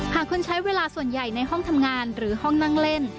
หากคนใช้เวลาส่วนใหญ่ในห้องทำงานหรือห้องนั่งเล่น